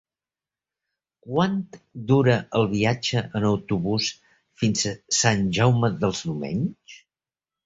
Quant dura el viatge en autobús fins a Sant Jaume dels Domenys?